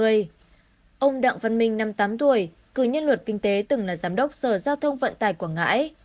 ông đặng văn minh năm mươi tám tuổi cử nhân luật kinh tế từng là giám đốc sở giao thông vận tải quảng ngãi